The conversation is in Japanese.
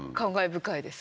深いです